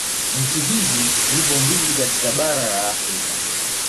Nchi hizi zipo mbili katika bara la Afrika